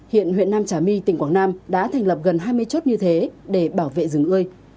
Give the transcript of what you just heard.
hiện huyện nam trà my tỉnh quảng nam đã thành lập gần hai mươi chốt như thế để bảo vệ rừng ươi